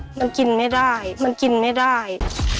มันกินไม่ได้มันกินไม่ได้